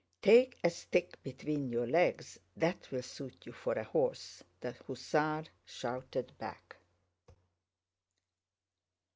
"Take a stick between your legs, that'll suit you for a horse!" the hussar shouted back.